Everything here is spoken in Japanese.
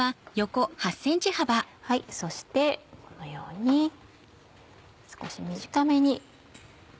そしてこのように少し短めに。